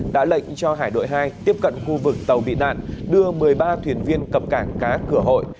đã lệnh cho hải đội hai tiếp cận khu vực tàu bị nạn đưa một mươi ba thuyền viên cập cảng cá cửa hội